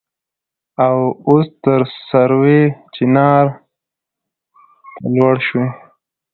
او اوس تر سروې چينار ته لوړه شوې.